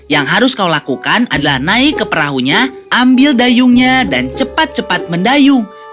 yang harus kau lakukan adalah naik ke perahunya ambil dayungnya dan cepat cepat mendayung